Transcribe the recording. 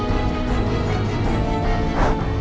นี่มันหลบมา